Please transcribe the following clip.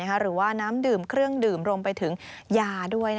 หรือว่าน้ำดื่มเครื่องดื่มรวมไปถึงยาด้วย